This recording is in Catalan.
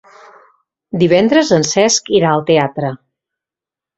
Divendres en Cesc irà al teatre.